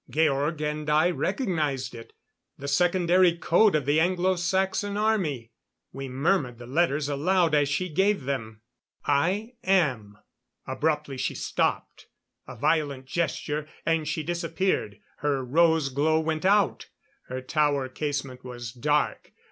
Georg and I recognized it the Secondary Code of the Anglo Saxon Army. We murmured the letters aloud as she gave them: "_I am _" Abruptly she stopped. A violent gesture, and she disappeared; her rose glow went out; her tower casement was dark.